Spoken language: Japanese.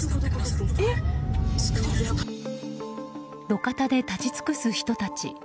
路肩で立ち尽くす人たち。